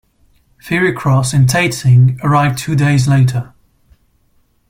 "Fiery Cross" and "Taitsing" arrived two days later.